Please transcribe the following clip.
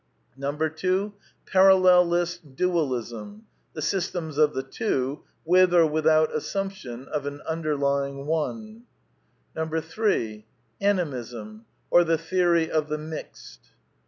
2. Farallelist Dualism : the systems of the Two (with or without assumption of an underlying One). 3. Animism : or the theory of the Mixed.